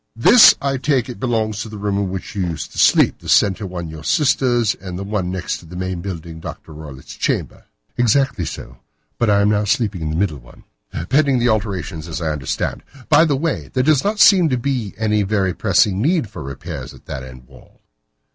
"This, I take it, belongs to the room in which you used to sleep, the centre one to your sister's, and the one next to the main building to Dr. Roylott's chamber?" "Exactly so. But I am now sleeping in the middle one." "Pending the alterations, as I understand. By the way, there does not seem to be any very pressing need for repairs at that end wall."